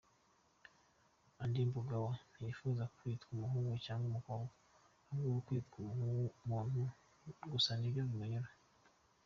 Audrey Mbugua ntiyifuza kwitwa umuhungu cyangwa umukobwa, ahubwo we kwitwa umuntu gusa nibyo bimunyura.